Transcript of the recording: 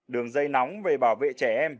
đường dây nóng về bảo vệ trẻ em